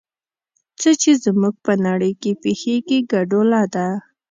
څه چې زموږ په نړۍ کې پېښېږي ګډوله ده.